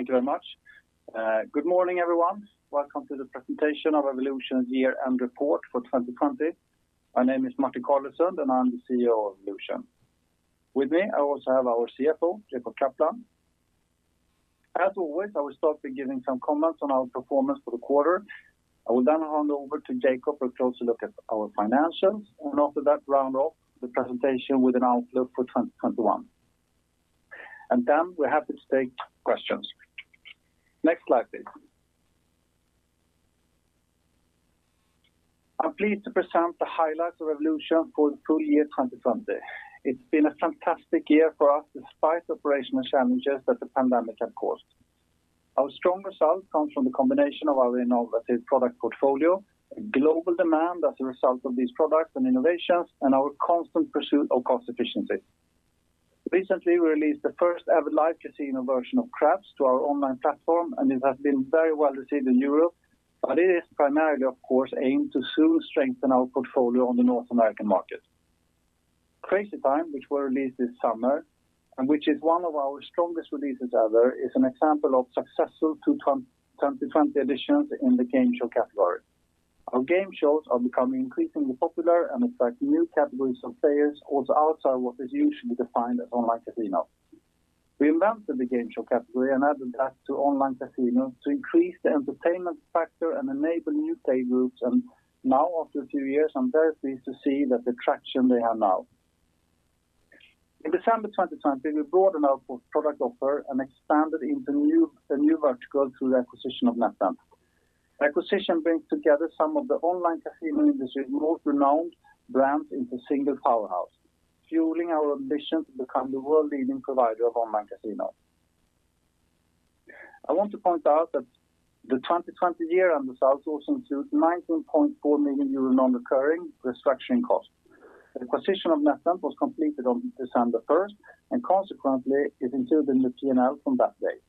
Thank you very much. Good morning, everyone. Welcome to the presentation of Evolution's year-end report for 2020. My name is Martin Carlesund, and I'm the CEO of Evolution. With me, I also have our CFO, Jacob Kaplan. As always, I will start by giving some comments on our performance for the quarter. I will then hand over to Jacob for a closer look at our financials, and after that, round off the presentation with an outlook for 2021. Then we're happy to take questions. Next slide, please. I'm pleased to present the highlights of Evolution for the full year 2020. It's been a fantastic year for us despite the operational challenges that the pandemic has caused. Our strong results comes from the combination of our innovative product portfolio, global demand as a result of these products and innovations, and our constant pursuit of cost efficiency. Recently, we released the first-ever live casino version of Craps to our online platform, and it has been very well received in Europe, but it is primarily, of course, aimed to soon strengthen our portfolio on the North American market. Crazy Time, which we released this summer, and which is one of our strongest releases ever, is an example of successful 2020 additions in the game show category. Our game shows are becoming increasingly popular and attract new categories of players, also outside what is usually defined as online casino. We invented the game show category and added that to online casino to increase the entertainment factor and enable new player groups. Now after a few years, I'm very pleased to see the traction they have now. In December 2020, we broadened our product offer and expanded into a new vertical through the acquisition of NetEnt. The acquisition brings together some of the online casino industry's most renowned brands into a single powerhouse, fueling our ambition to become the world-leading provider of online casino. I want to point out that the 2020 year-end results also include 19.4 million euro non-recurring restructuring costs. The acquisition of NetEnt was completed on December 1st and consequently is included in the P&L from that date.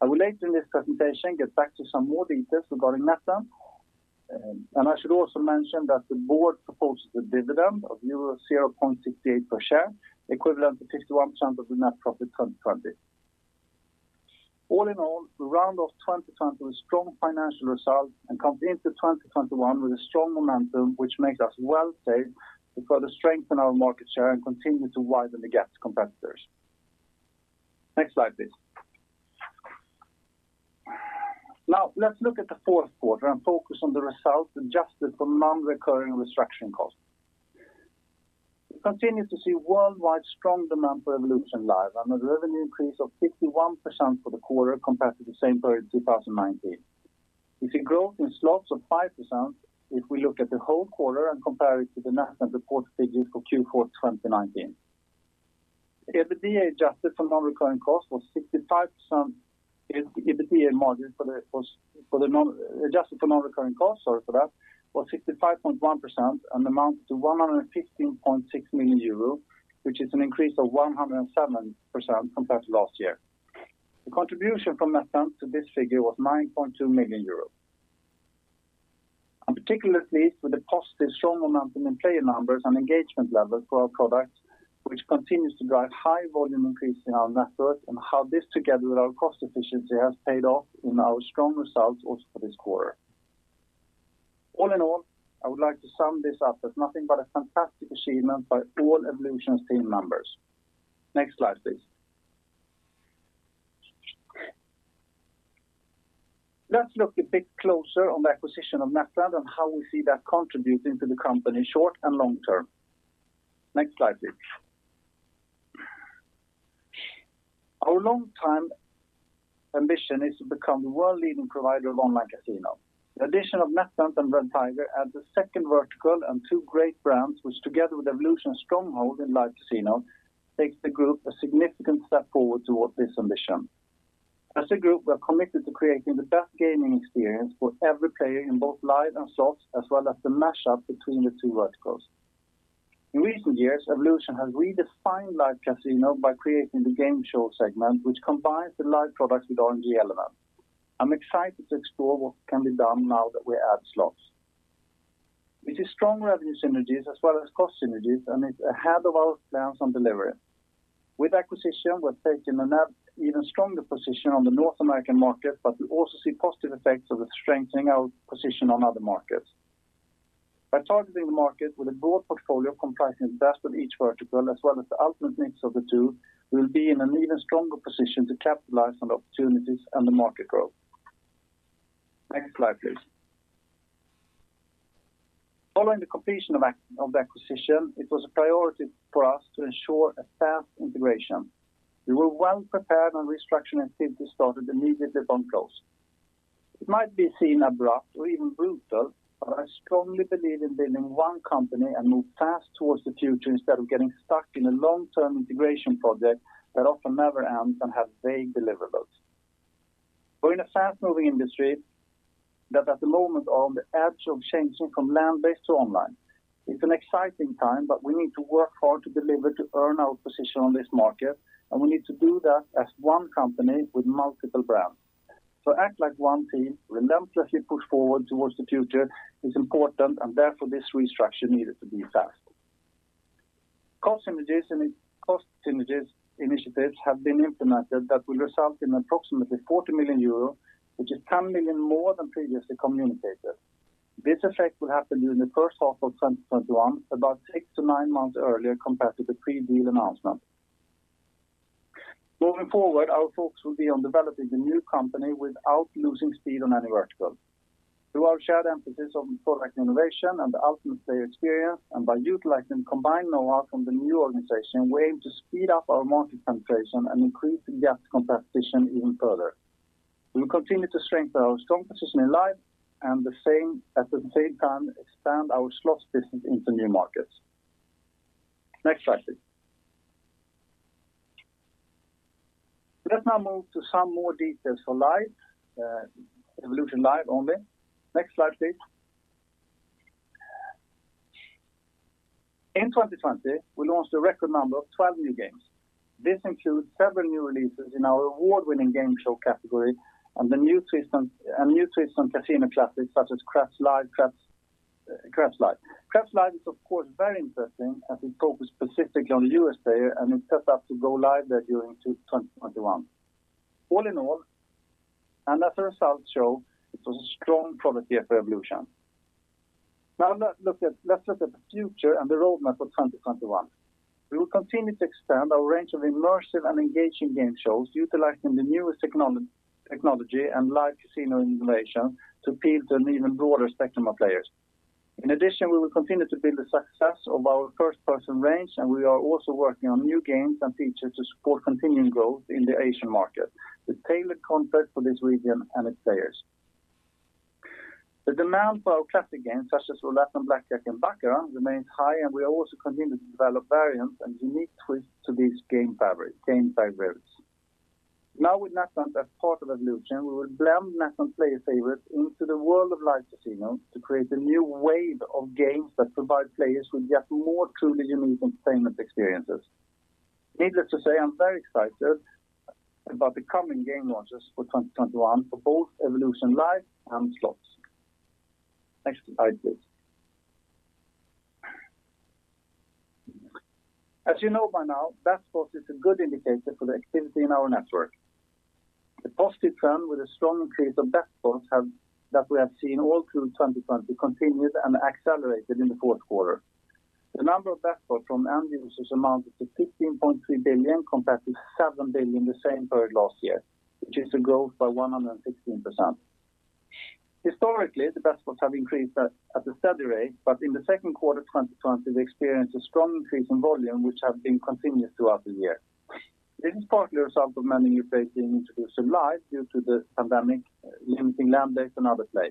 I will later in this presentation get back to some more details regarding NetEnt. I should also mention that the board proposes a dividend of euro 0.68 per share, equivalent to 51% of the net profit 2020. All in all, we round off 2020 with strong financial results and come into 2021 with a strong momentum, which makes us well-placed to further strengthen our market share and continue to widen the gap to competitors. Next slide, please. Let's look at the fourth quarter and focus on the results adjusted for non-recurring restructuring costs. We continue to see worldwide strong demand for Evolution Live and a revenue increase of 51% for the quarter compared to the same period in 2019. We see growth in Slots of 5% if we look at the whole quarter and compare it to the NetEnt report figures for Q4 2019. EBITDA margin adjusted for non-recurring costs, sorry for that, was 65.1% and amounts to 115.6 million euro, which is an increase of 107% compared to last year. The contribution from NetEnt to this figure was 9.2 million euros. I'm particularly pleased with the positive strong momentum in player numbers and engagement levels for our products, which continues to drive high volume increase in our network and how this together with our cost efficiency has paid off in our strong results also for this quarter. All in all, I would like to sum this up as nothing but a fantastic achievement by all Evolution's team members. Next slide, please. Let's look a bit closer on the acquisition of NetEnt and how we see that contributing to the company short and long term. Next slide, please. Our longtime ambition is to become the world-leading provider of online casino. The addition of NetEnt and Red Tiger adds a second vertical and two great brands, which together with Evolution's stronghold in Live Casino, takes the group a significant step forward towards this ambition. As a group, we are committed to creating the best gaming experience for every player in both Live and Slots, as well as the mash-up between the two verticals. In recent years, Evolution has redefined Live Casino by creating the game show segment, which combines the Live products with RNG elements. I'm excited to explore what can be done now that we add Slots. We see strong revenue synergies as well as cost synergies, and it's ahead of our plans on delivery. With acquisition, we're taking an even stronger position on the North American market, but we also see positive effects of strengthening our position on other markets. By targeting the market with a broad portfolio comprising the best of each vertical as well as the ultimate mix of the two, we will be in an even stronger position to capitalize on the opportunities and the market growth. Next slide, please. Following the completion of the acquisition, it was a priority for us to ensure a fast integration. We were well prepared, and restructuring activities started immediately upon close. It might be seen abrupt or even brutal, but I strongly believe in building one company and move fast towards the future instead of getting stuck in a long-term integration project that often never ends and have vague deliverables. We're in a fast-moving industry that at the moment are on the edge of changing from land-based to online. It's an exciting time, but we need to work hard to deliver to earn our position on this market, and we need to do that as one company with multiple brands. To act like one team, relentlessly push forward towards the future is important, and therefore this restructure needed to be fast. Cost initiatives have been implemented that will result in approximately 40 million euro, which is 10 million more than previously communicated. This effect will happen during the first half of 2021, about six to nine months earlier compared to the pre-deal announcement. Moving forward, our focus will be on developing the new company without losing speed on any vertical. Through our shared emphasis on product innovation and the ultimate player experience, and by utilizing combined knowhow from the new organization, we aim to speed up our market penetration and increase the gaps competition even further. We will continue to strengthen our strong position in Live and at the same time expand our Slots business into new markets. Next slide, please. Let's now move to some more details for Evolution Live only. Next slide, please. In 2020, we launched a record number of 12 new games. This includes several new releases in our award-winning game show category and a new twist on casino classics such as Craps Live. Craps Live is, of course, very interesting as it focused specifically on the U.S. player, and it's set up to go live there during 2021. All in all, and as the results show, it was a strong product year for Evolution. Let's look at the future and the roadmap for 2021. We will continue to expand our range of immersive and engaging game shows, utilizing the newest technology and live casino innovation to appeal to an even broader spectrum of players. In addition, we will continue to build the success of our First Person range, and we are also working on new games and features to support continuing growth in the Asian market with tailored content for this region and its players. The demand for our classic games such as Roulette and Blackjack and Baccarat remains high, and we also continue to develop variants and unique twists to these game libraries. With NetEnt as part of Evolution, we will blend NetEnt player favorites into the world of Live Casino to create a new wave of games that provide players with yet more truly unique entertainment experiences. Needless to say, I'm very excited about the coming game launches for 2021 for both Evolution Live and Slots. Slide, please. As you know by now, bet spots is a good indicator for the activity in our network. The positive trend with a strong increase of bet spots that we have seen all through 2020 continued and accelerated in the fourth quarter. The number of bet spots from end users amounted to 15.3 billion compared to 7 billion the same period last year, which is a growth by 116%. Historically, the bet spots have increased at a steady rate, but in the second quarter 2020, we experienced a strong increase in volume which has been continued throughout the year. This is partly a result of many new players being introduced to Live due to the pandemic limiting land-based and other play.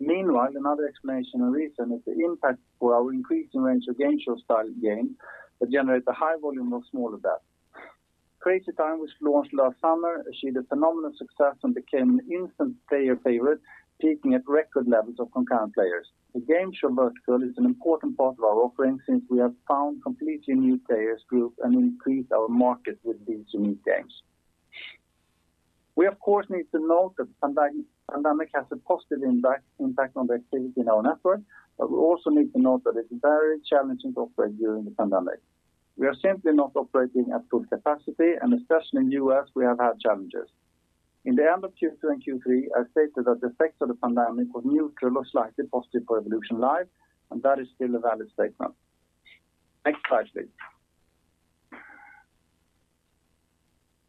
Meanwhile, another explanation and reason is the impact for our increasing range of game show-style games that generate a high volume of smaller bets. Crazy Time, which launched last summer, achieved a phenomenal success and became an instant player favorite, peaking at record levels of concurrent players. The game show vertical is an important part of our offering since we have found completely new player groups and increased our market with these unique games. We, of course, need to note that the pandemic has a positive impact on the activity in our network, but we also need to note that it's very challenging to operate during the pandemic. We are simply not operating at full capacity, and especially in the U.S., we have had challenges. In the end of Q2 and Q3, I stated that the effects of the pandemic were neutral or slightly positive for Evolution Live, and that is still a valid statement. Next slide, please.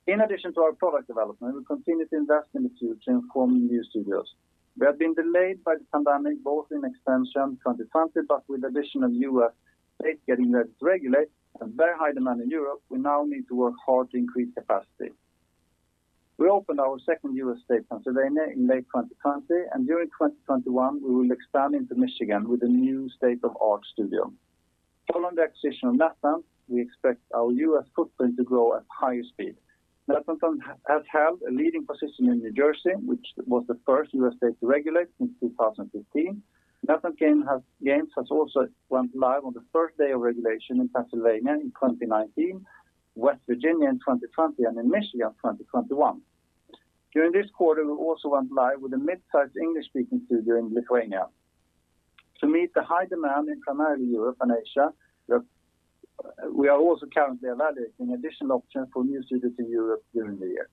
In addition to our product development, we continue to invest in the future in forming new studios. We have been delayed by the pandemic, both in expansion in 2020, but with additional U.S. states getting ready to regulate and very high demand in Europe, we now need to work hard to increase capacity. We opened our second U.S. state, Pennsylvania, in May 2020, and during 2021, we will expand into Michigan with a new state-of-art studio. Following the acquisition of NetEnt, we expect our U.S. footprint to grow at higher speed. NetEnt has held a leading position in New Jersey, which was the first U.S. state to regulate since 2015. NetEnt games has also went live on the first day of regulation in Pennsylvania in 2019, West Virginia in 2020, and in Michigan 2021. During this quarter, we also went live with a mid-sized English-speaking studio in Lithuania. To meet the high demand in primarily Europe and Asia, we are also currently evaluating additional options for new studios in Europe during the year.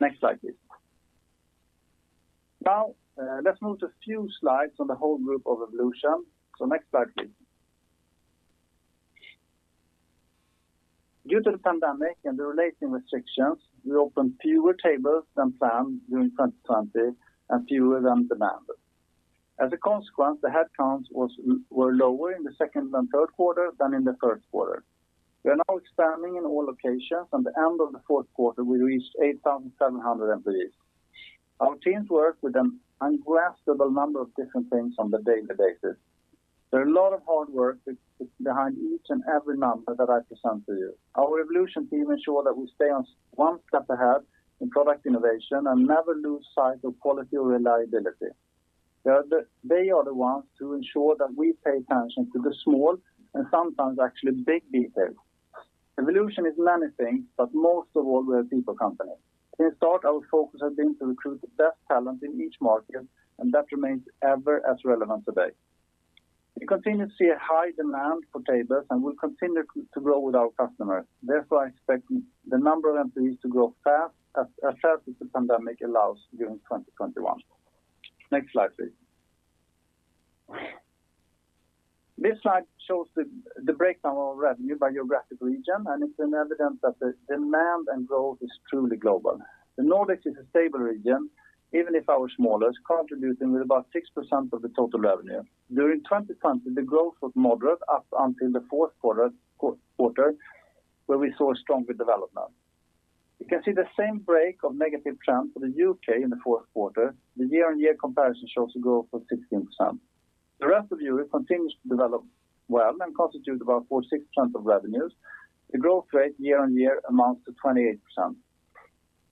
Next slide, please. Let's move to a few slides on the whole group of Evolution. Next slide, please. Due to the pandemic and the related restrictions, we opened fewer tables than planned during 2020 and fewer than demanded. As a consequence, the headcounts were lower in the second and third quarter than in the first quarter. We are now expanding in all locations, at the end of the fourth quarter, we reached 8,700 employees. Our teams work with an ungraspable number of different things on a daily basis. There are a lot of hard work behind each and every number that I present to you. Our Evolution team ensure that we stay on one step ahead in product innovation and never lose sight of quality or reliability. They are the ones to ensure that we pay attention to the small and sometimes actually big details. Evolution is many things, but most of all, we're a people company. Since start, our focus has been to recruit the best talent in each market, and that remains ever as relevant today. We continue to see a high demand for tables and we'll continue to grow with our customers. Therefore, I expect the number of employees to grow fast as the pandemic allows during 2021. Next slide, please. This slide shows the breakdown of revenue by geographic region, and it's an evidence that the demand and growth is truly global. The Nordics is a stable region, even if our smallest, contributing with about 6% of the total revenue. During 2020, the growth was moderate up until the fourth quarter, where we saw stronger development. You can see the same break of negative trend for the U.K. in the fourth quarter. The year-on-year comparison shows a growth of 16%. The rest of Europe continues to develop well and constitute about 46% of revenues. The growth rate year-on-year amounts to 28%.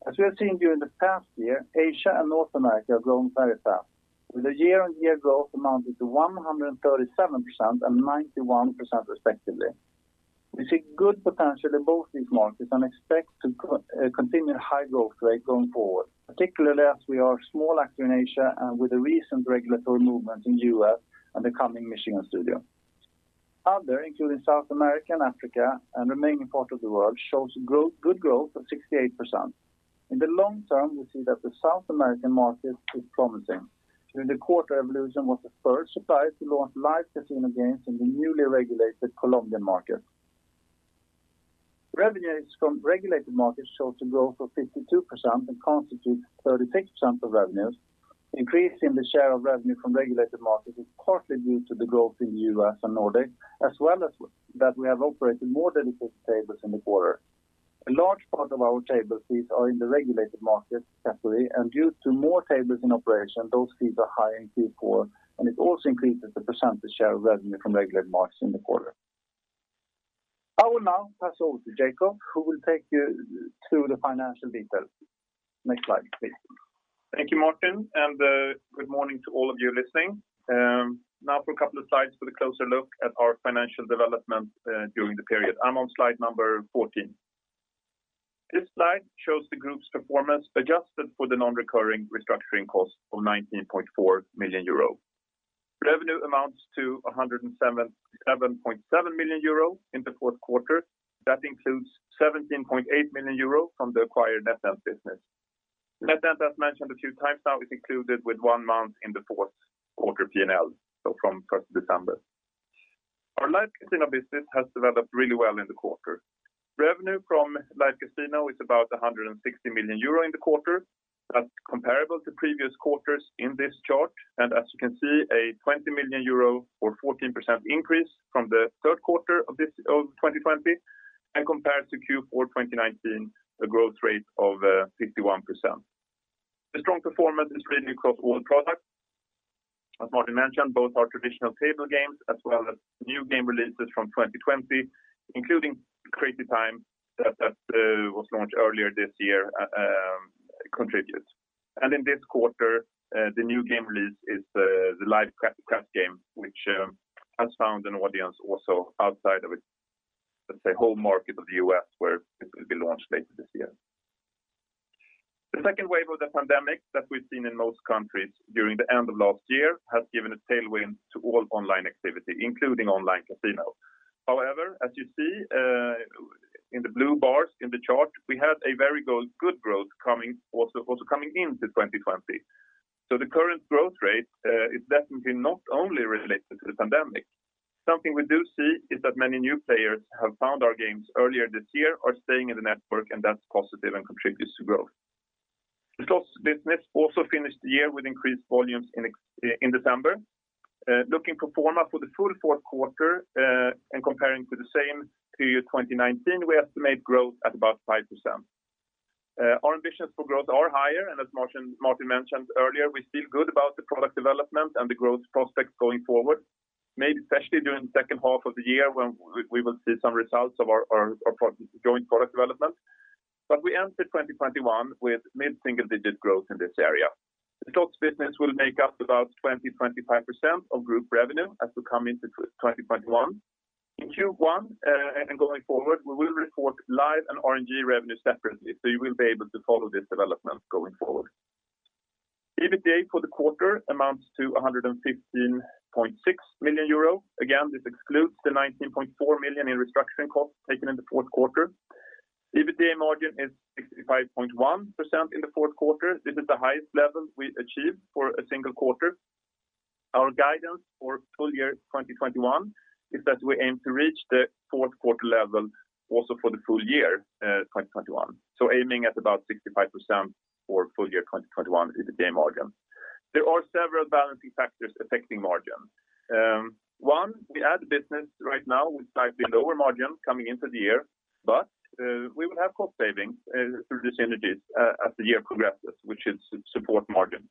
As we have seen during the past year, Asia and North America are growing very fast with the year-on-year growth amounting to 137% and 91% respectively. We see good potential in both these markets and expect to continue high growth rate going forward, particularly as we are small actually in Asia and with the recent regulatory movement in U.S. and the coming Michigan studio. Other, including South America and Africa and remaining part of the world, shows good growth of 68%. In the long term, we see that the South American market is promising. During the quarter, Evolution was the first supplier to launch live casino games in the newly regulated Colombian market. Revenues from regulated markets shows a growth of 52% and constitutes 36% of revenues. Increase in the share of revenue from regulated markets is partly due to the growth in U.S. and Nordic, as well as that we have operated more than [tables] in the quarter. A large part of our table seats are in the regulated markets category, and due to more tables in operation, those fees are high in Q4, and it also increases the percentage share of revenue from regulated markets in the quarter. I will now pass over to Jacob, who will take you through the financial details. Next slide, please. Thank you, Martin, and good morning to all of you listening. Now for a couple of slides with a closer look at our financial development during the period. I'm on slide number 14. This slide shows the group's performance adjusted for the non-recurring restructuring cost of 19.4 million euro. Revenue amounts to 107.7 million euro in the fourth quarter. That includes 17.8 million euro from the acquired NetEnt business. NetEnt, as mentioned a few times now, is included with one month in the fourth quarter P&L, so from 1st December. Our Live Casino business has developed really well in the quarter. Revenue from Live Casino is about 160 million euro in the quarter. That's comparable to previous quarters in this chart, and as you can see, a 20 million euro or 14% increase from the third quarter of 2020, and compared to Q4 2019, a growth rate of 61%. The strong performance is really across all products. As Martin mentioned, both our traditional table games as well as new game releases from 2020, including Crazy Time that was launched earlier this year contributes. In this quarter, the new game release is the Live Craps game, which has found an audience also outside of, let's say, home market of the U.S., where it will be launched later this year. The second wave of the pandemic that we've seen in most countries during the end of last year has given a tailwind to all online activity, including online casino. As you see in the blue bars in the chart, we had a very good growth also coming into 2020. The current growth rate is definitely not only related to the pandemic. Something we do see is that many new players who have found our games earlier this year are staying in the network, and that's positive and contributes to growth. The Slots business also finished the year with increased volumes in December. Looking pro forma for the full fourth quarter and comparing to the same period 2019, we estimate growth at about 5%. Our ambitions for growth are higher, and as Martin mentioned earlier, we feel good about the product development and the growth prospects going forward, maybe especially during the second half of the year when we will see some results of our joint product development. We enter 2021 with mid-single digit growth in this area. The Slots business will make up about 20%-25% of group revenue as we come into 2021. In Q1 and going forward, we will report Live and RNG revenue separately. You will be able to follow this development going forward. EBITDA for the quarter amounts to 115.6 million euro. Again, this excludes the 19.4 million in restructuring costs taken in the fourth quarter. EBITDA margin is 65.1% in the fourth quarter. This is the highest level we achieved for a single quarter. Our guidance for full year 2021 is that we aim to reach the fourth quarter level also for the full year 2021. Aiming at about 65% for full year 2021 EBITDA margin. There are several balancing factors affecting margin. One, we add business right now with slightly lower margin coming into the year, but we will have cost savings through these synergies as the year progresses, which should support margin.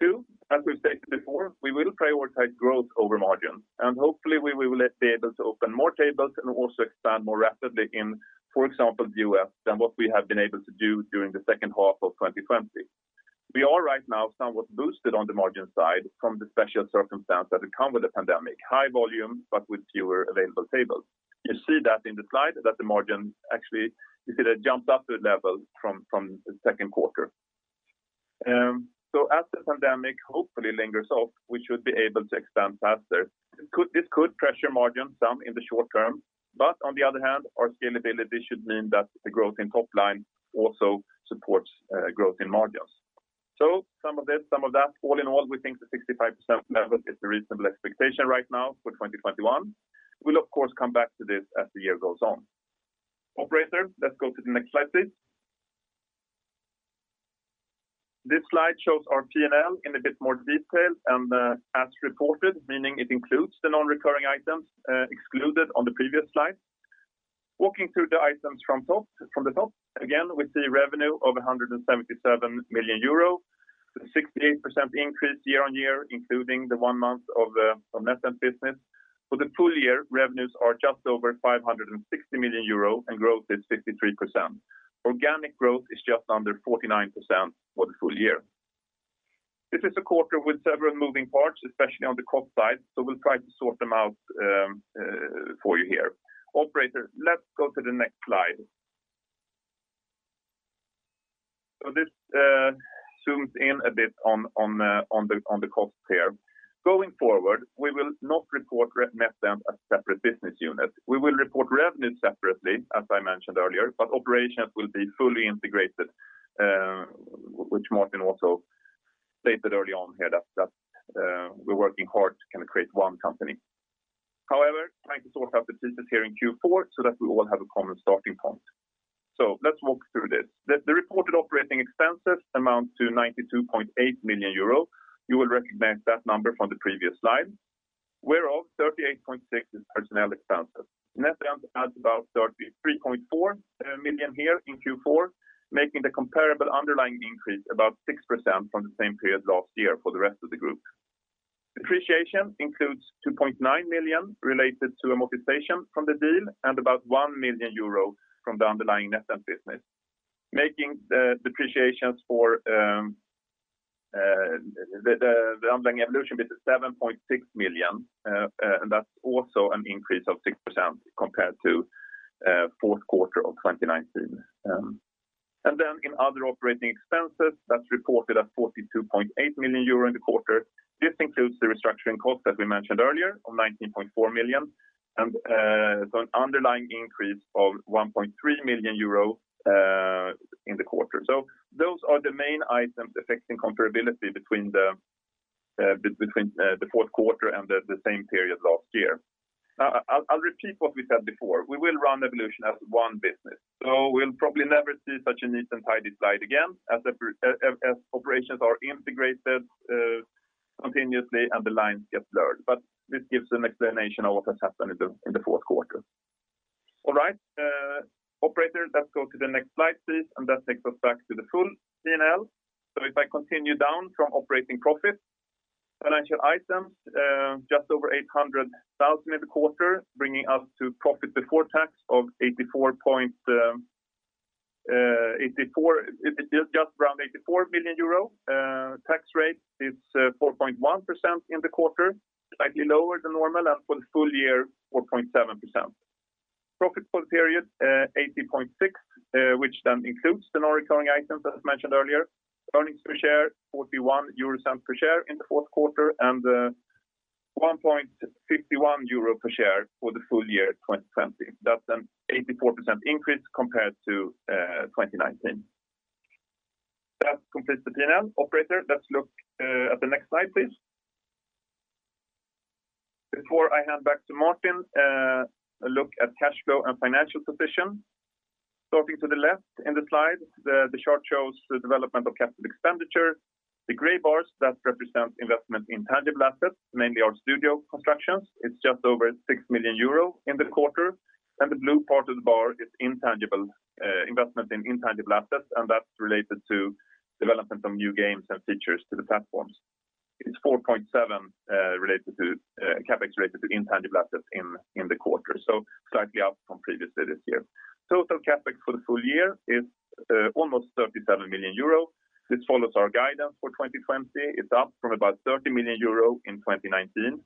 Two, as we've stated before, we will prioritize growth over margin, and hopefully we will let tables open more tables and also expand more rapidly in, for example, the U.S., than what we have been able to do during the second half of 2020. We are right now somewhat boosted on the margin side from the special circumstance that has come with the pandemic, high volume, but with fewer available tables. You see that in the slide that the margin actually, you see that jumped up to a level from the second quarter. As the pandemic hopefully lingers off, we should be able to expand faster. This could pressure margin some in the short term, but on the other hand, our scalability should mean that the growth in top line also supports growth in margins. Some of this, some of that, all in all, we think the 65% level is a reasonable expectation right now for 2021. We'll, of course, come back to this as the year goes on. Operator, let's go to the next slide, please. This slide shows our P&L in a bit more detail and as reported, meaning it includes the non-recurring items excluded on the previous slide. Walking through the items from the top, again, we see revenue of 177 million euro, the 68% increase year-on-year, including the one month of the NetEnt business. For the full year, revenues are just over 560 million euro and growth is 53%. Organic growth is just under 49% for the full year. This is a quarter with several moving parts, especially on the cost side, we'll try to sort them out for you here. Operator, let's go to the next slide. This zooms in a bit on the cost here. Going forward, we will not report NetEnt as separate business unit. We will report revenue separately, as I mentioned earlier, but operations will be fully integrated, which Martin also stated early on here that we're working hard to create one company. However, trying to sort out the pieces here in Q4 so that we all have a common starting point. Let's walk through this. The reported operating expenses amount to 92.8 million euro. You will recognize that number from the previous slide, whereof 38.6 is personnel expenses. NetEnt adds about 33.4 million here in Q4, making the comparable underlying increase about 6% from the same period last year for the rest of the group. Depreciation includes 2.9 million related to amortization from the deal and about 1 million euro from the underlying NetEnt business, making the depreciations for the underlying Evolution business 7.6 million, and that's also an increase of 6% compared to fourth quarter of 2019. Then in other operating expenses, that's reported at 42.8 million euro in the quarter. This includes the restructuring cost that we mentioned earlier of 19.4 million and so an underlying increase of 1.3 million euro in the quarter. Those are the main items affecting comparability between the fourth quarter and the same period last year. I'll repeat what we said before. We will run Evolution as one business, so we'll probably never see such a neat and tidy slide again as operations are integrated continuously and the lines get blurred. This gives an explanation of what has happened in the fourth quarter. All right. Operator, let's go to the next slide, please. That takes us back to the full P&L. If I continue down from operating profit, financial items just over 800,000 in the quarter, bringing us to profit before tax of just around EUR 84 million. Tax rate is 4.1% in the quarter, slightly lower than normal. For the full year, 4.7%. Profit for the period, 80.6, which includes the non-recurring items as mentioned earlier. Earnings per share, 0.41 per share in the fourth quarter, 1.51 euro per share for the full year 2020. That's an 84% increase compared to 2019. That completes the P&L. Operator, let's look at the next slide, please. Before I hand back to Martin, a look at cash flow and financial position. Starting to the left in the slide, the chart shows the development of capital expenditure. The gray bars, that represents investment in tangible assets, mainly our studio constructions. It's just over 6 million euro in the quarter. The blue part of the bar is investment in intangible assets. That's related to development of new games and features to the platforms. It's 4.7 CapEx related to intangible assets in the quarter, slightly up from previously this year. Total CapEx for the full year is almost 37 million euro. This follows our guidance for 2020. It's up from about 30 million euro in 2019.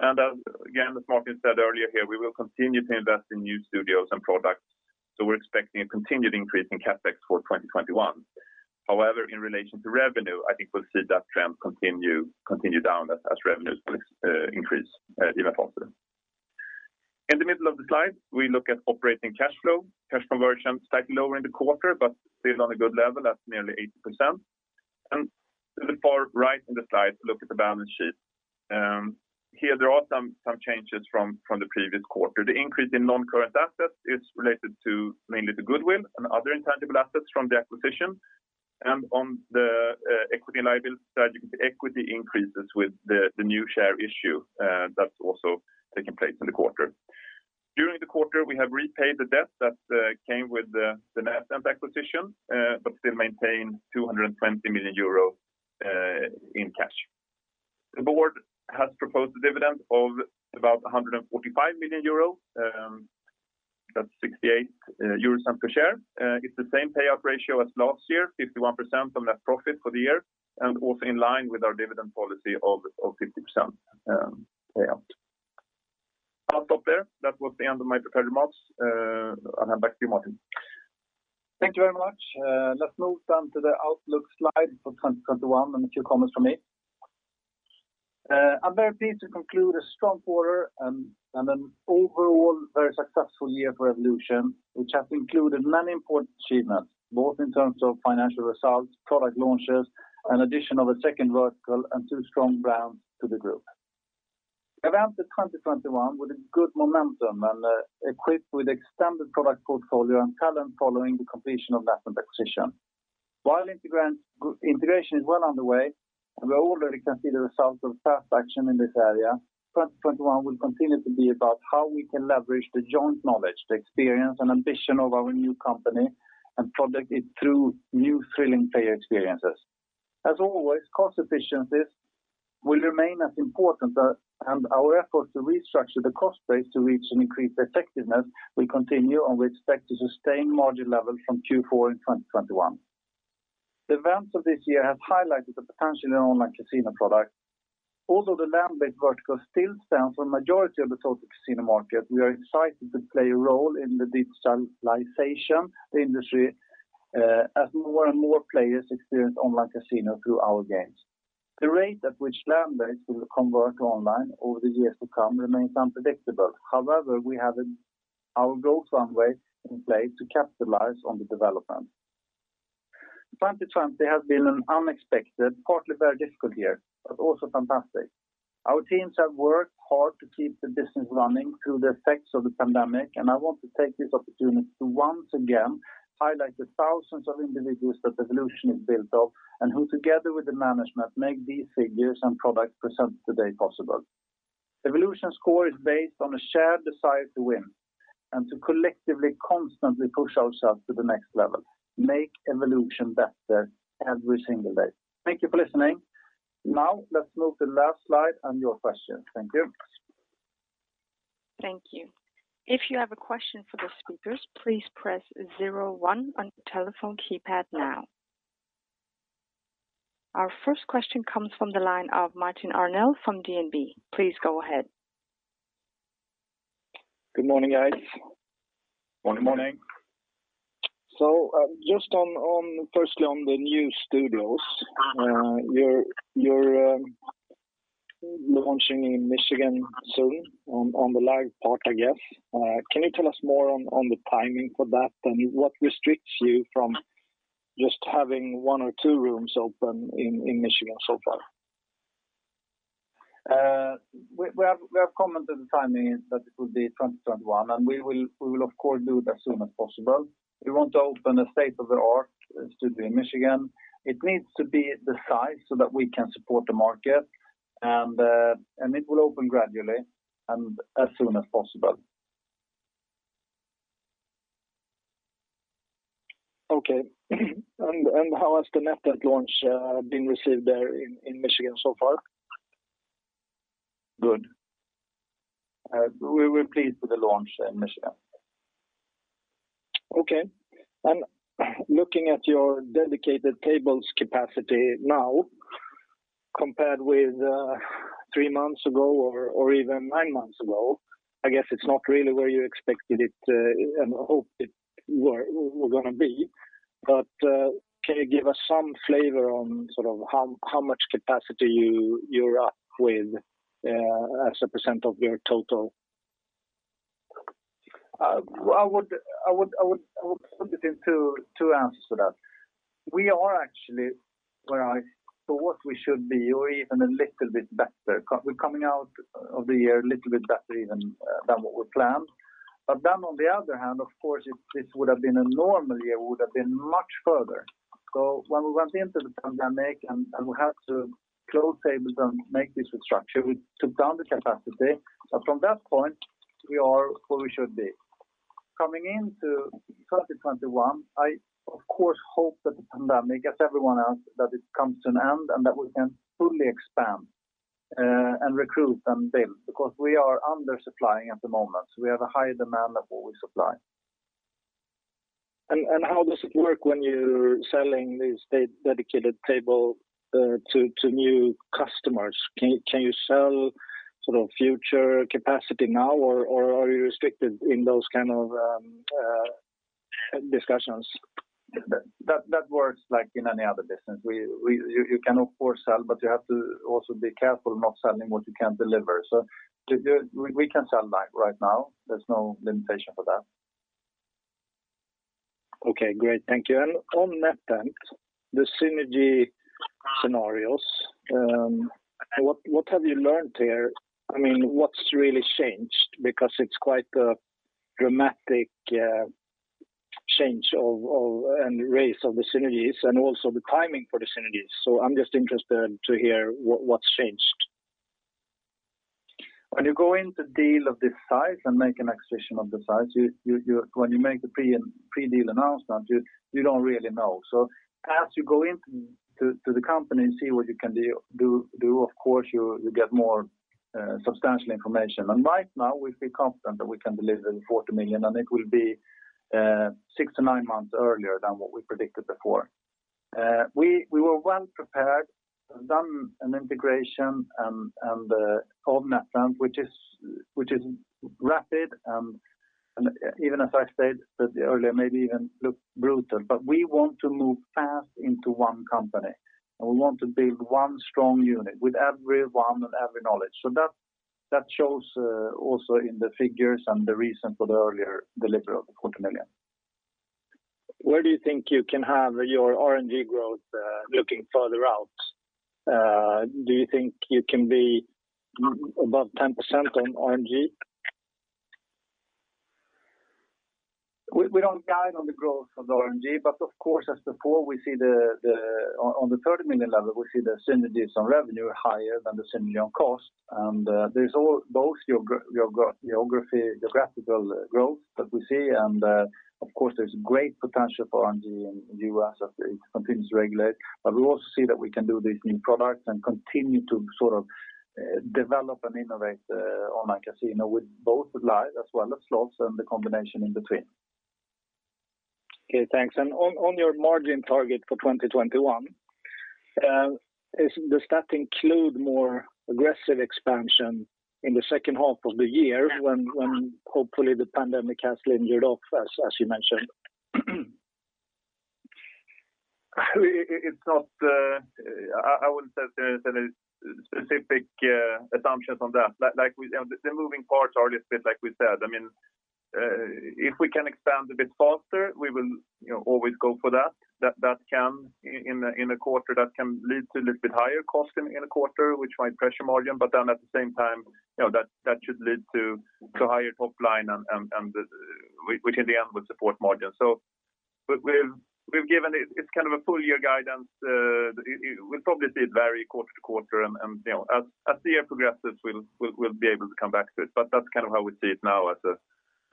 Again, as Martin said earlier here, we will continue to invest in new studios and products. We're expecting a continued increase in CapEx for 2021. However, in relation to revenue, I think we'll see that trend continue down as revenues will increase even faster. In the middle of the slide, we look at operating cash flow. Cash conversion slightly lower in the quarter, still on a good level at nearly 80%. To the far right in the slide, look at the balance sheet. Here there are some changes from the previous quarter. The increase in non-current assets is related to mainly the goodwill and other intangible assets from the acquisition. On the equity and liability side, you can see equity increases with the new share issue that's also taking place in the quarter. During the quarter, we have repaid the debt that came with the NetEnt acquisition, but still maintain 220 million euros. In cash. The board has proposed a dividend of about 145 million euro, that's 68 euros per share. It's the same payout ratio as last year, 51% on that profit for the year, and also in line with our dividend policy of 50% payout. I'll stop there. That was the end of my prepared remarks. Back to you, Martin. Thank you very much. Let's move to the outlook slide for 2021 and a few comments from me. I'm very pleased to conclude a strong quarter and an overall very successful year for Evolution, which has included many important achievements, both in terms of financial results, product launches, and addition of a second vertical and two strong brands to the group. Around the 2021, with a good momentum and equipped with extended product portfolio and talent following the completion of NetEnt acquisition. While integration is well underway and we already can see the results of past action in this area, 2021 will continue to be about how we can leverage the joint knowledge, the experience, and ambition of our new company and productize it through new thrilling player experiences. As always, cost efficiencies will remain as important and our efforts to restructure the cost base to reach an increased effectiveness will continue, and we expect to sustain margin levels from Q4 in 2021. The events of this year have highlighted the potential in online casino product. Although the land-based vertical still stands for a majority of the total casino market, we are excited to play a role in the digitalization industry as more and more players experience online casino through our games. The rate at which land-based will convert to online over the years to come remains unpredictable. However, we have our growth runway in place to capitalize on the development. 2020 has been an unexpected, partly very difficult year, but also fantastic. Our teams have worked hard to keep the business running through the effects of the pandemic, and I want to take this opportunity to once again highlight the thousands of individuals that Evolution is built of and who together with the management make these figures and products presented today possible. Evolution's core is based on a shared desire to win and to collectively, constantly push ourselves to the next level, make Evolution better every single day. Thank you for listening. Now, let's move to the last slide and your questions. Thank you. Thank you. If you have a question for the speakers, please press zero one on your telephone keypad now. Our first question comes from the line of Martin Arnell from DNB. Please go ahead. Good morning, guys. Morning. Just firstly on the new studios. You're launching in Michigan soon on the Live part, I guess. Can you tell us more on the timing for that and what restricts you from just having one or two rooms open in Michigan so far? We have commented the timing is that it will be 2021, and we will of course do it as soon as possible. We want to open a state-of-the-art studio in Michigan. It needs to be the size so that we can support the market, and it will open gradually and as soon as possible. Okay. How has the NetEnt launch been received there in Michigan so far? Good. We're pleased with the launch in Michigan. Okay. Looking at your dedicated tables capacity now compared with three months ago or even nine months ago, I guess it's not really where you expected it and hoped it were going to be, but can you give us some flavor on how much capacity you're up with as a percent of your total? I would put it in two answers to that. We are actually where I thought we should be, or even a little bit better. We're coming out of the year a little bit better even than what we planned. On the other hand, of course, if this would have been a normal year, we would have been much further. When we went into the pandemic and we had to close tables and make this restructure, we took down the capacity. From that point, we are where we should be. Coming into 2021, I of course hope that the pandemic, as everyone else, that it comes to an end, and that we can fully expand, and recruit, and build because we are under-supplying at the moment. We have a high demand of what we supply. How does it work when you're selling these dedicated table to new customers? Can you sell future capacity now, or are you restricted in those kind of discussions? That works like in any other business. You can of course sell, but you have to also be careful not selling what you can't deliver. We can sell right now. There's no limitation for that. Okay, great. Thank you. On NetEnt, the synergy scenarios, what have you learned there? What's really changed? It's quite a dramatic change and raise of the synergies and also the timing for the synergies. I'm just interested to hear what's changed. When you go into a deal of this size and make an acquisition of this size, when you make the pre-deal announcement, you don't really know. As you go into the company and see what you can do, of course, you get more substantial information. Right now, we feel confident that we can deliver the 40 million, and it will be 6-9 months earlier than what we predicted before. We were well-prepared, have done an integration of NetEnt, which is rapid, and even as I said earlier, maybe even looked brutal. We want to move fast into one company, and we want to build one strong unit with everyone and every knowledge. That shows also in the figures and the reason for the earlier delivery of the 40 million. Where do you think you can have your RNG growth looking further out? Do you think you can be above 10% on RNG? We don't guide on the growth of the RNG, but of course, as before, on the 30 million level, we see the synergies on revenue higher than the synergy on cost, and there's both geographical growth that we see, and of course, there's great potential for RNG in the U.S. as it continues to regulate. We also see that we can do these new products and continue to sort of develop and innovate on our casino with both Live as well as Slots and the combination in between. Okay, thanks. On your margin target for 2021, does that include more aggressive expansion in the second half of the year when hopefully the pandemic has lingered off, as you mentioned? I wouldn't say there's any specific assumptions on that. The moving parts are a little bit like we said. If we can expand a bit faster, we will always go for that. In a quarter, that can lead to a little bit higher cost in a quarter, which might pressure margin, but then at the same time, that should lead to higher top line, which in the end would support margin. We've given it. It's kind of a full-year guidance. We'll probably see it vary quarter-to-quarter, and as the year progresses, we'll be able to come back to it, but that's kind of how we see it now as a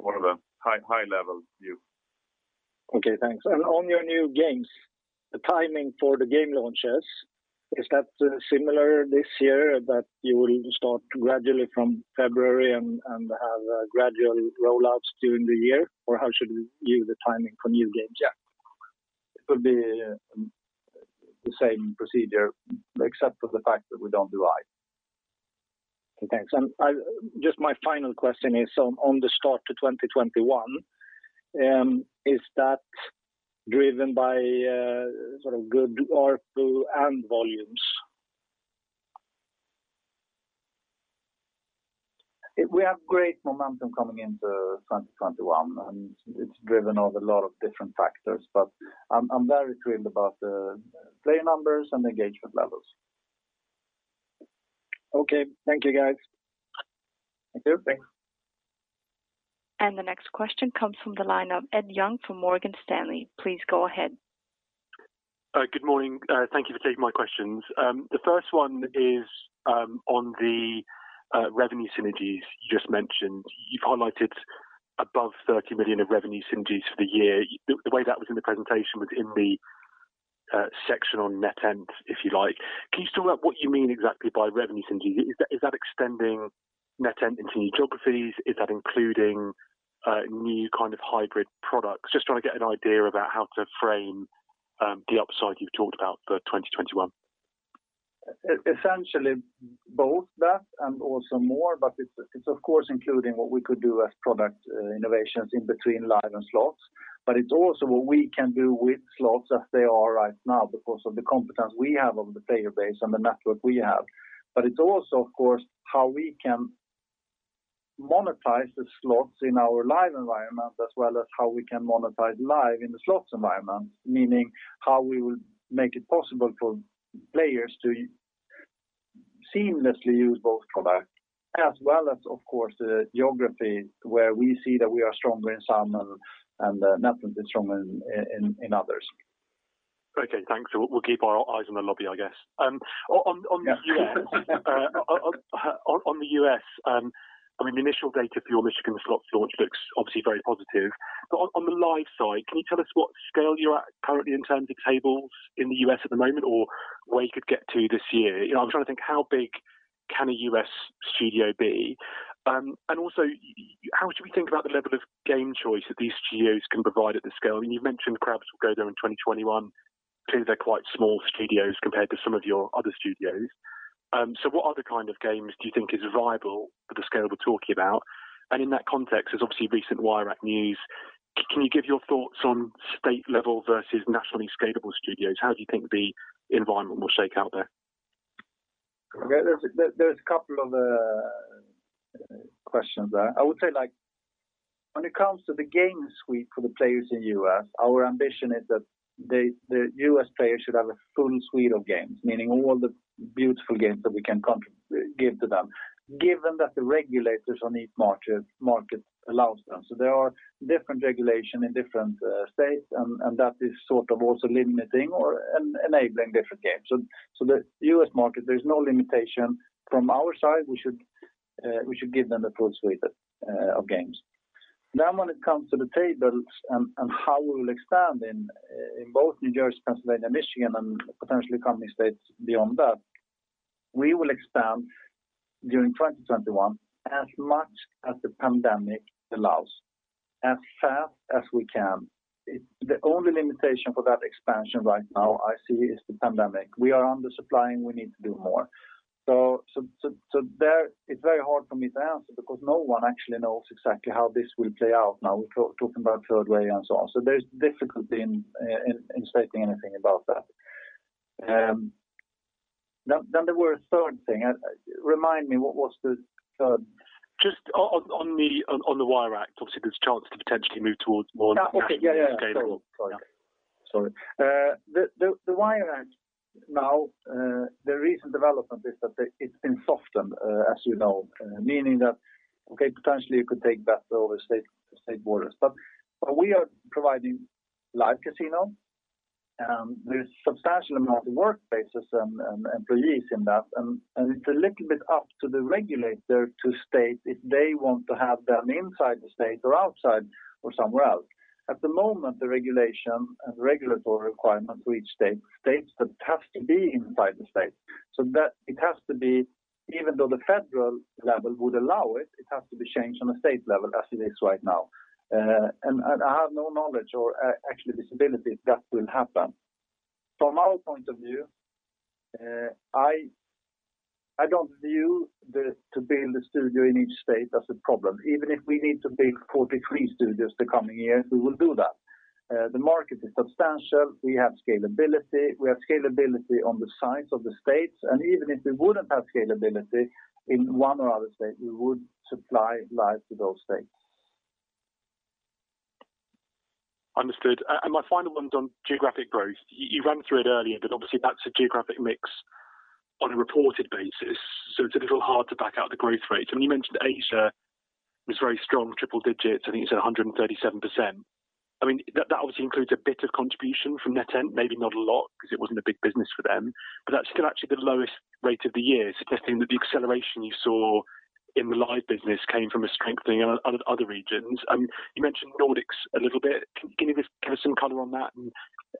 more of a high-level view. Okay, thanks. On your new games, the timing for the game launches, is that similar this year, that you will start gradually from February and have gradual rollouts during the year? How should we view the timing for new games? Yeah. It will be the same procedure, except for the fact that we don't do it. Okay, thanks. Just my final question is on the start to 2021, is that driven by sort of good ARPU and volumes? We have great momentum coming into 2021, it's driven off a lot of different factors. I'm very thrilled about the player numbers and engagement levels. Okay. Thank you, guys. Thank you. The next question comes from the line of Ed Young from Morgan Stanley. Please go ahead. Good morning. Thank you for taking my questions. The first one is on the revenue synergies you just mentioned. You've highlighted above 30 million of revenue synergies for the year. The way that was in the presentation was in the section on NetEnt, if you like. Can you talk about what you mean exactly by revenue synergies? Is that extending NetEnt into new geographies? Is that including new kind of hybrid products? Just trying to get an idea about how to frame the upside you've talked about for 2021. Essentially, both that and also more, it's of course including what we could do as product innovations in between Live and Slots. It's also what we can do with Slots as they are right now because of the competence we have of the player base and the network we have. It's also, of course, how we can monetize the Slots in our Live environment, as well as how we can monetize Live in the Slots environment, meaning how we will make it possible for players to seamlessly use both products, as well as, of course, the geography where we see that we are stronger in some, and NetEnt is stronger in others. Okay, thanks. We'll keep our eyes on the lobby, I guess. Yeah. On the U.S., the initial data for your Michigan Slots launch looks obviously very positive. On the Live side, can you tell us what scale you're at currently in terms of tables in the U.S. at the moment, or where you could get to this year? I'm trying to think how big can a U.S. studio be? Also, how should we think about the level of game choice that these studios can provide at this scale? You've mentioned Craps will go there in 2021. Clearly, they're quite small studios compared to some of your other studios. What other kind of games do you think is viable for the scale we're talking about? In that context, there's obviously recent Wire Act news. Can you give your thoughts on state level versus nationally scalable studios? How do you think the environment will shake out there? There's a couple of questions there. I would say, when it comes to the game suite for the players in U.S., our ambition is that the U.S. players should have a full suite of games, meaning all the beautiful games that we can give to them, given that the regulators on each market allows them. There are different regulation in different states, and that is sort of also limiting or enabling different games. The U.S. market, there's no limitation from our side. We should give them the full suite of games. When it comes to the tables and how we will expand in both New Jersey, Pennsylvania, Michigan, and potentially coming states beyond that, we will expand during 2021 as much as the pandemic allows, as fast as we can. The only limitation for that expansion right now I see is the pandemic. We are under-supplying, we need to do more. It's very hard for me to answer because no one actually knows exactly how this will play out. Now we're talking about third wave and so on. There's difficulty in stating anything about that. There were a third thing. Remind me what was the third? Just on the Wire Act, obviously, there's a chance to potentially move towards more nationally scalable- Sorry. The Wire Act now, the recent development is that it's been softened, as you know, meaning that potentially you could take bets over state borders. We are providing Live Casino, there's substantial amount of workspaces and employees in that, and it's a little bit up to the regulator to state if they want to have them inside the state or outside or somewhere else. At the moment, the regulation and regulatory requirement for each state states that it has to be inside the state. It has to be, even though the federal level would allow it has to be changed on a state level as it is right now. I have no knowledge or actually visibility if that will happen. From our point of view, I don't view to build a studio in each state as a problem. Even if we need to build 43 studios the coming years, we will do that. The market is substantial. We have scalability. We have scalability on the size of the states, and even if we wouldn't have scalability in one or other state, we would supply Live to those states. Understood. My final one's on geographic growth. You ran through it earlier, obviously that's a geographic mix on a reported basis, so it's a little hard to back out the growth rates. You mentioned Asia was very strong, triple digits. I think you said 137%. That obviously includes a bit of contribution from NetEnt, maybe not a lot because it wasn't a big business for them, but that's still actually the lowest rate of the year, suggesting that the acceleration you saw in the live business came from a strengthening of other regions. You mentioned Nordics a little bit. Can you give us some color on that and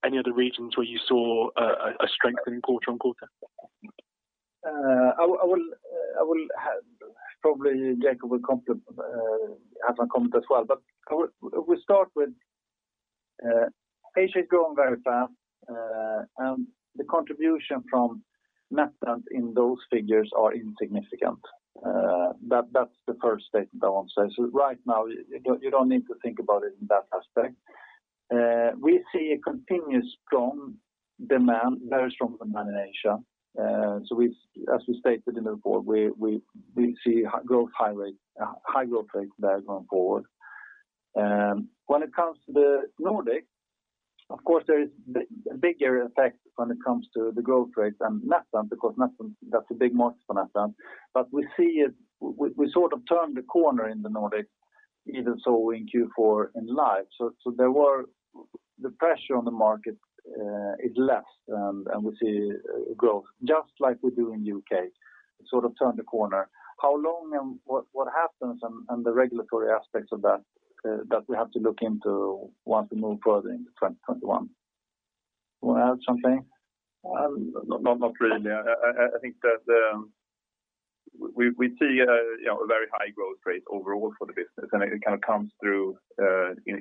any other regions where you saw a strengthening quarter-on-quarter? Probably Jacob will have a comment as well. We start with Asia is growing very fast, and the contribution from NetEnt in those figures are insignificant. That's the first statement I want to say. Right now, you don't need to think about it in that aspect. We see a continuous strong demand, very strong demand in Asia. As we stated in the report, we see high growth rates there going forward. When it comes to the Nordic, of course, there is a bigger effect when it comes to the growth rates and NetEnt, because that's a big market for NetEnt. We sort of turned the corner in the Nordic, even so in Q4, in Live. The pressure on the market is less, and we see growth, just like we do in U.K. It sort of turned the corner. How long and what happens and the regulatory aspects of that we have to look into once we move further into 2021. You want to add something? Not really. I think that we see a very high growth rate overall for the business, and it kind of comes through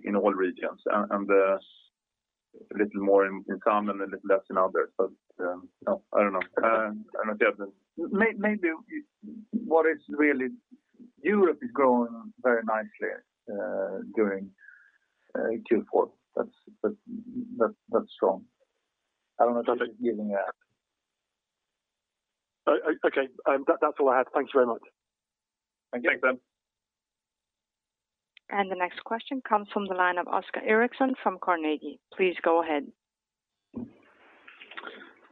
in all regions, and a little more in some and a little less in others. I don't know. I don't know. Maybe Europe is growing very nicely during Q4. That's strong. I don't know if you were getting at. Okay. That's all I had. Thank you very much. Thank you. Thanks, Ed. The next question comes from the line of Oscar Erixon from Carnegie. Please go ahead.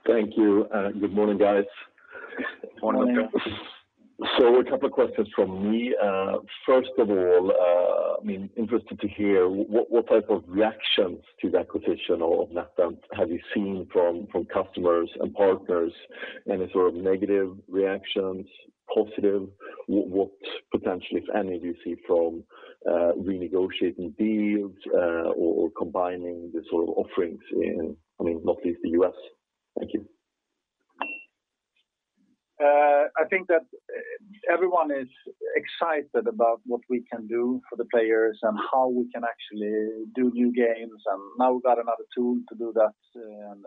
Thank you. Good morning, guys. Morning, Oscar. Morning. A couple of questions from me. First of all, interested to hear what type of reactions to the acquisition of NetEnt have you seen from customers and partners? Any sort of negative reactions? Positive? What potentially, if any, do you see from renegotiating deals or combining the sort of offerings in, not least the U.S.? Thank you. I think that everyone is excited about what we can do for the players and how we can actually do new games, and now we've got another tool to do that and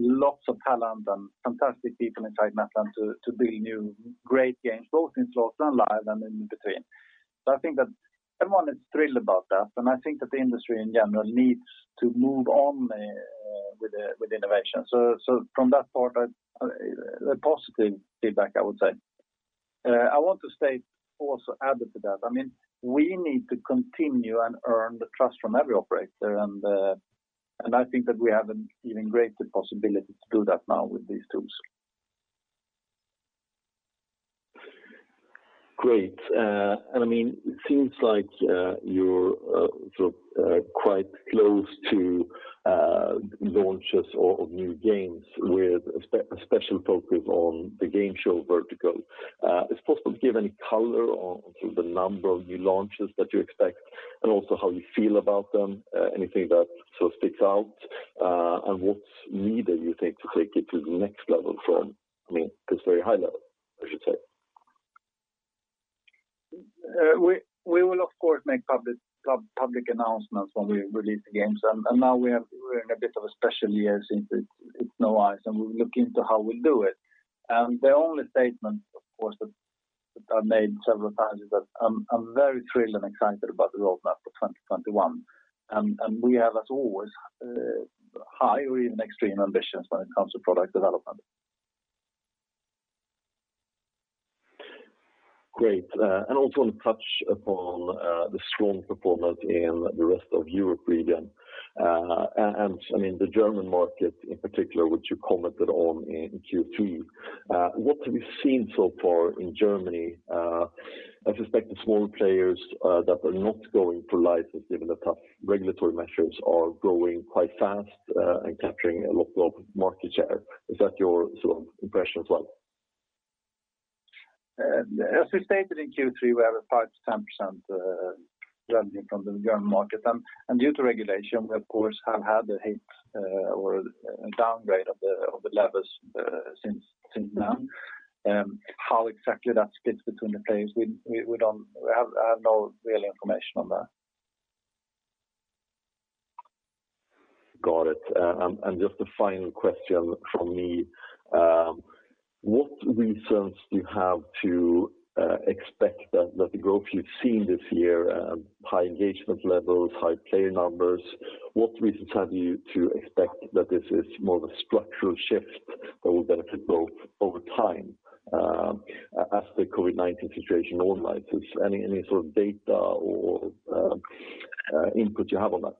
lots of talent and fantastic people inside NetEnt to build new great games, both in slots and live and in between. I think that everyone is thrilled about that, and I think that the industry in general needs to move on with innovation. From that part, positive feedback, I would say. I want to state also added to that, we need to continue and earn the trust from every operator, and I think that we have an even greater possibility to do that now with these tools. Great. It seems like you're sort of quite close to launches of new games with a special focus on the game show vertical. Is it possible to give any color on the number of new launches that you expect, and also how you feel about them? Anything that sticks out? What's needed, you think, to take it to the next level from this very high level, I should say? We will, of course, make public announcements when we release the games. Now we're in a bit of a special year since it's snow, and we'll look into how we'll do it. The only statement, of course, that I made several times is that I'm very thrilled and excited about the roadmap for 2021. We have, as always, high or even extreme ambitions when it comes to product development. Great. Also want to touch upon the strong performance in the rest of Europe region. The German market in particular, which you commented on in Q3. What have you seen so far in Germany? I suspect the smaller players that are not going for license, given the tough regulatory measures, are growing quite fast and capturing a lot of market share. Is that your impression as well? As we stated in Q3, we have a 5%-10% revenue from the German market. Due to regulation, we of course, have had a hit or a downgrade of the levers since then. How exactly that splits between the players, we have no real information on that. Just a final question from me. What reasons do you have to expect that the growth you've seen this year, high engagement levels, high player numbers, what reasons have you to expect that this is more of a structural shift that will benefit growth over time as the COVID-19 situation normalizes? Any sort of data or input you have on that?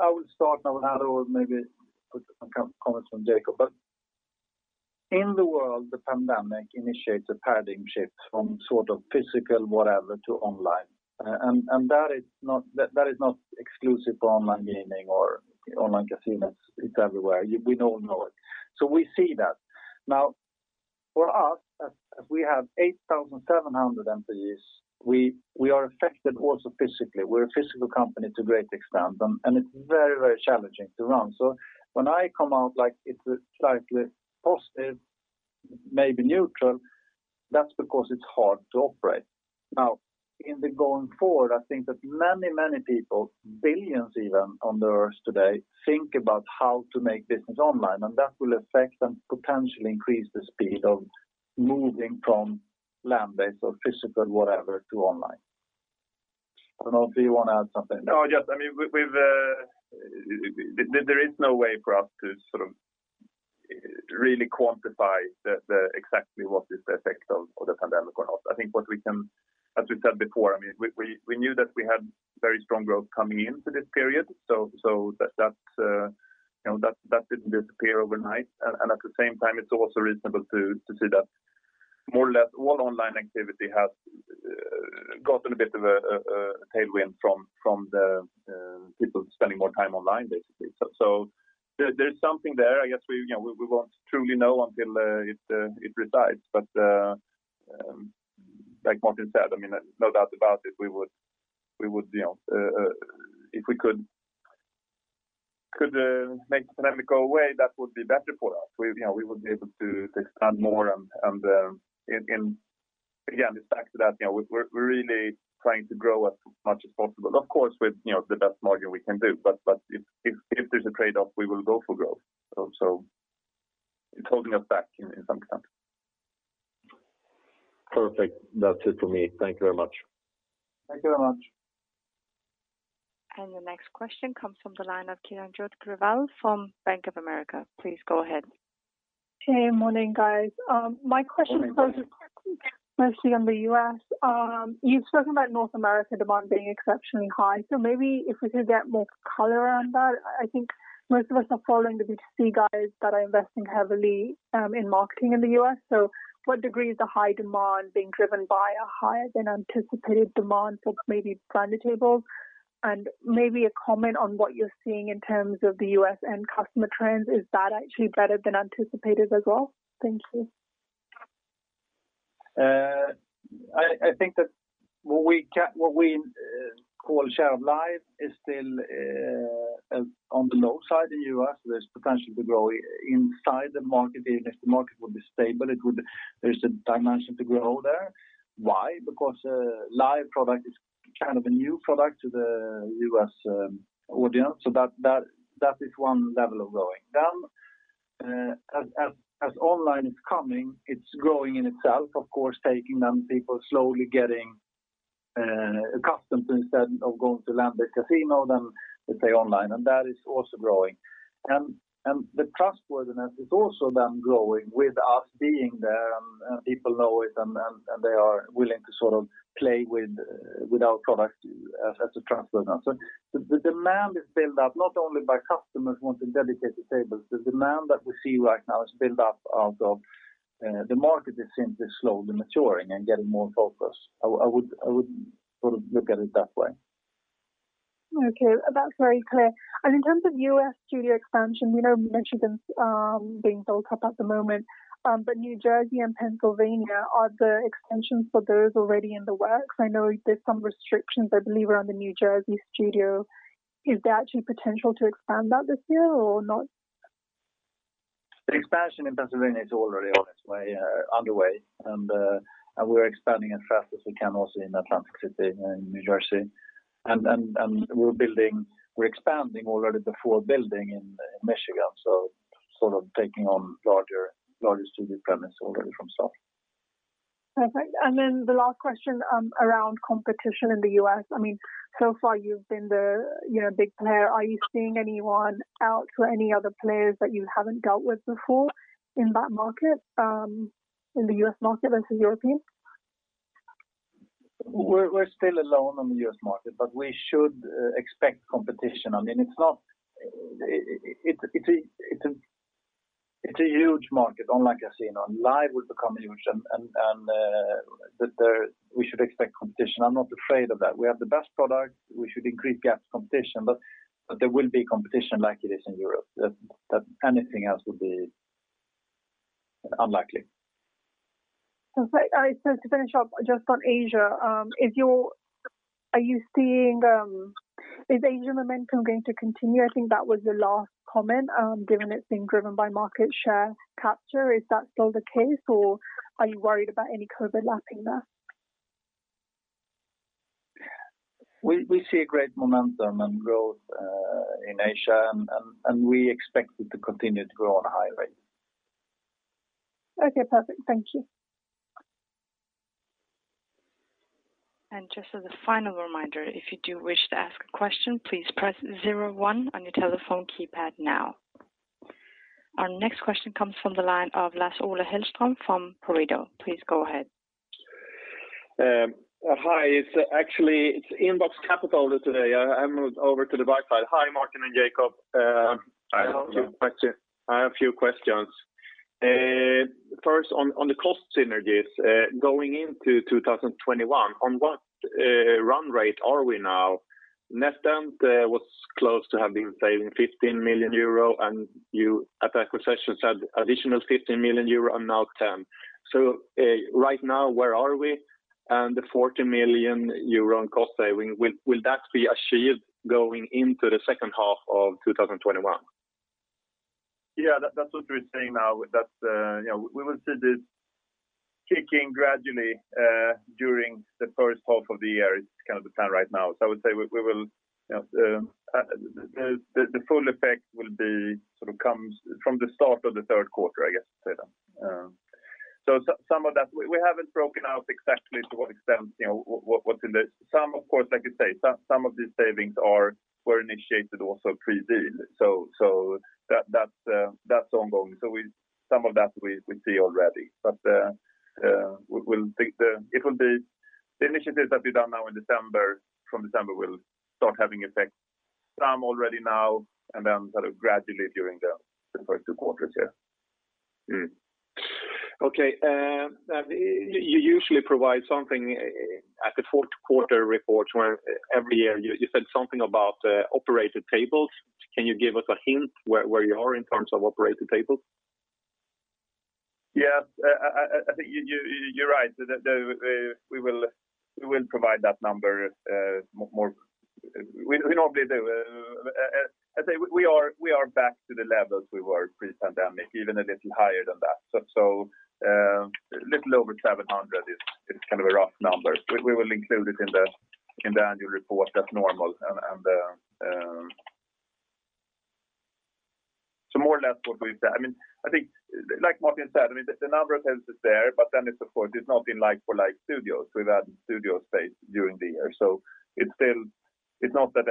I will start now, or maybe put some comments from Jacob. In the world, the pandemic initiates a paradigm shift from physical whatever to online. That is not exclusive to online gaming or online casinos. It's everywhere. We all know it. We see that. Now, for us, as we have 8,700 employees, we are affected also physically. We're a physical company to a great extent, and it's very challenging to run. When I come out like it's slightly positive, maybe neutral, that's because it's hard to operate. Now, in the going forward, I think that many people, billions even on the earth today, think about how to make business online, and that will affect and potentially increase the speed of moving from land-based or physical whatever to online. I don't know if you want to add something. No, just there is no way for us to really quantify exactly what is the effect of the pandemic or not. I think as we said before, we knew that we had very strong growth coming into this period, so that didn't disappear overnight. At the same time, it's also reasonable to say that more or less all online activity has gotten a bit of a tailwind from the people spending more time online, basically. There's something there. I guess we won't truly know until it resides. Like Martin said, no doubt about it, if we could make the pandemic go away, that would be better for us. We would be able to expand more and again, it's back to that, we're really trying to grow as much as possible. Of course, with the best margin we can do. If there's a trade-off, we will go for growth. It's holding us back in some sense. Perfect. That's it for me. Thank you very much. Thank you very much. The next question comes from the line of Kiran Dindayal from Bank of America. Please go ahead. Hey, morning, guys. Morning. My question focuses mostly on the U.S. You've spoken about North America demand being exceptionally high. Maybe if we could get more color around that. I think most of us are following the B2C guys that are investing heavily in marketing in the U.S. To what degree is the high demand being driven by a higher-than-anticipated demand for maybe branded tables? Maybe a comment on what you're seeing in terms of the U.S. end customer trends. Is that actually better than anticipated as well? Thank you. I think that what we call share of live is still on the low side in the U.S., there's potential to grow inside the market even if the market would be stable. There's a dimension to grow there. Why? Because Live product is kind of a new product to the U.S. audience. That is one level of growing. As online is coming, it's growing in itself, of course, taking people slowly getting accustomed instead of going to land-based casino, then they stay online, and that is also growing. The trustworthiness is also then growing with us being there, and people know it, and they are willing to play with our product as a trust builder. The demand is built up not only by customers wanting dedicated tables. The demand that we see right now is built up out of The market is simply slowly maturing and getting more focused. I would look at it that way. Okay. That's very clear. In terms of U.S. studio expansion, we know Michigan's being built up at the moment. New Jersey and Pennsylvania, are the expansions for those already in the works? I know there's some restrictions, I believe, around the New Jersey studio. Is there actually potential to expand that this year or not? The expansion in Pennsylvania is already on its way, underway. We're expanding as fast as we can also in Atlantic City and New Jersey. We're expanding already the fourth building in Michigan, sort of taking on larger studio premises already from the start. Perfect. The last question around competition in the U.S. So far you've been the big player. Are you seeing anyone out or any other players that you haven't dealt with before in that market, in the U.S. market as a European? We're still alone on the U.S. market. We should expect competition. It's a huge market, online casino, and Live will become huge and we should expect competition. I'm not afraid of that. We have the best product. We should increase gaps competition. There will be competition like it is in Europe. Anything else would be unlikely. Perfect. To finish up just on Asia. Is Asia momentum going to continue? I think that was the last comment. Given it's being driven by market share capture, is that still the case, or are you worried about any COVID lapping there? We see a great momentum and growth in Asia, and we expect it to continue to grow at a high rate. Okay, perfect. Thank you. Just as a final reminder, if you do wish to ask a question, please press zero one on your telephone keypad now. Our next question comes from the line of Lars-Ola Hellström from Pareto. Please go ahead. Hi, it's actually Inbox Capital today. I moved over to the buy side. Hi, Martin and Jacob. Hi. I have a few questions. First, on the cost synergies. Going into 2021, on what run rate are we now? NetEnt was close to having saving 15 million euro, and you at acquisition said additional 15 million euro and now 10 million. Right now, where are we? The 40 million euro in cost saving, will that be achieved going into the second half of 2021? Yeah, that's what we're saying now. We will see this kicking gradually during the first half of the year. It's kind of the plan right now. I would say the full effect will sort of come from the start of the third quarter, I guess, say that. We haven't broken out exactly to what extent. Some of these savings were initiated also pre-deal, that's ongoing. Some of that we see already. The initiatives that we've done now in December, from December will start having effect. Some already now, then sort of gradually during the first two quarters, yeah. Okay. You usually provide something at the fourth quarter reports where every year you said something about operated tables. Can you give us a hint where you are in terms of operated tables? Yeah. I think you're right. We will provide that number. We normally do. I'd say we are back to the levels we were pre-pandemic, even a little higher than that. Over 700 is kind of a rough number. We will include it in the annual report as normal. More or less what we've said. Like Martin said, the number of tables is there. It's of course, it's not been like for like studios. We've added studio space during the year. It's not that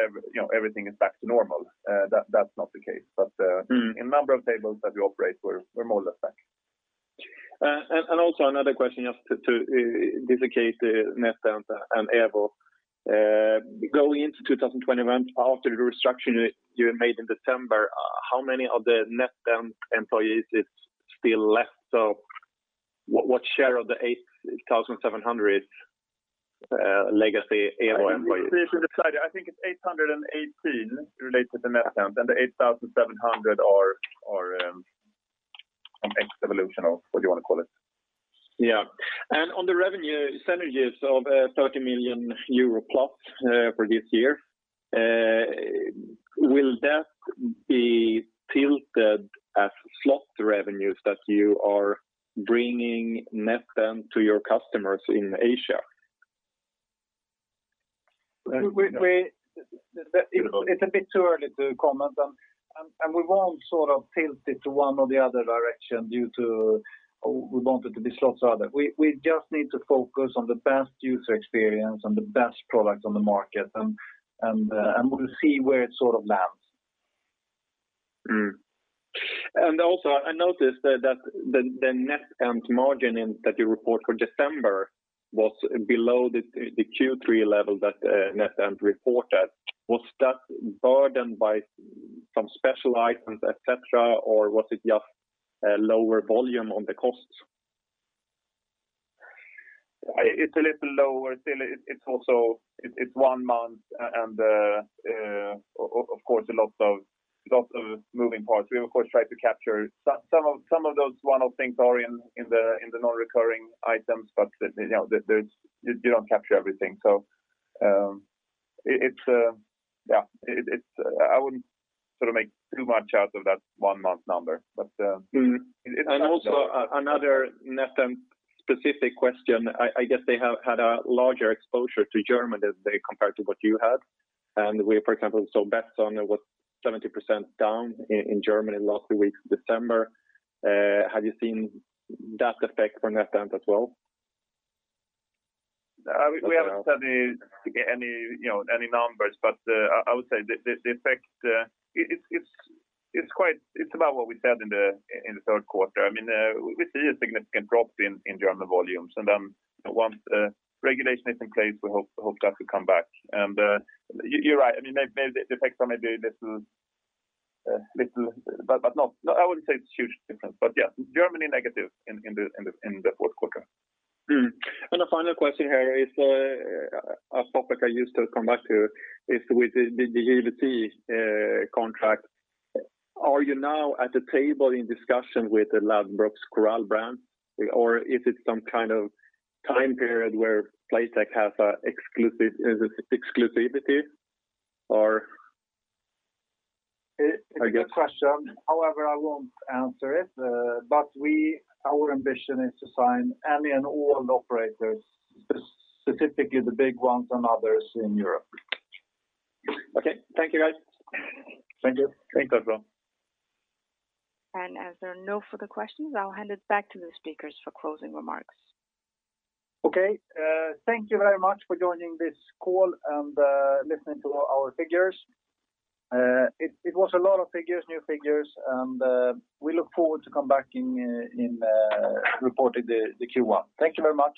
everything is back to normal. That's not the case. In number of tables that we operate, we're more or less back. Another question just to dedicate to NetEnt and Evo. Going into 2021, after the restructuring you had made in December, how many of the NetEnt employees is still left? What share of the 8,700 legacy Evo employees? Let me see if I can find it. I think it's 818 related to NetEnt, and the 8,700 are from ex-Evolution or what you want to call it. Yeah. On the revenue synergies of 30 million euro+ for this year, will that be tilted as slot revenues that you are bringing NetEnt to your customers in Asia? It's a bit too early to comment, and we won't sort of tilt it to one or the other direction due to we want it to be Slots. We just need to focus on the best user experience and the best product on the market, and we'll see where it sort of lands. Also, I noticed that the NetEnt margin that you report for December was below the Q3 level that NetEnt reported. Was that burdened by some special items, et cetera, or was it just lower volume on the costs? It's a little lower. Still, it's one month and of course a lot of moving parts. We, of course, try to capture some of those one-off things that are in the non-recurring items, but you don't capture everything. I wouldn't make too much out of that one month number. Also another NetEnt specific question. I guess they have had a larger exposure to Germany compared to what you had. We, for example, saw Betsson was 70% down in Germany last week of December. Have you seen that effect from NetEnt as well? We haven't studied any numbers. I would say the effect, it's about what we said in the third quarter. We see a significant drop in German volumes. Once the regulation is in place, we hope that will come back. You're right, the effects are maybe a little, but I wouldn't say it's a huge difference. Yes, Germany negative in the fourth quarter. The final question here is a topic I used to come back to, is with the GVC contract. Are you now at the table in discussion with the Ladbrokes Coral brand, or is it some kind of time period where Playtech has exclusivity? It's a good question. However, I won't answer it. Our ambition is to sign any and all operators, specifically the big ones and others in Europe. Okay. Thank you, guys. Thank you. Thank you as well. As there are no further questions, I'll hand it back to the speakers for closing remarks. Thank you very much for joining this call and listening to our figures. It was a lot of figures, new figures, and we look forward to come back in reporting the Q1. Thank you very much.